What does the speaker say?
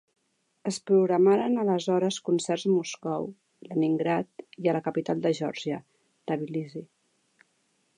Es programaren aleshores concerts a Moscou, Leningrad i a la capital de Geòrgia, Tbilisi.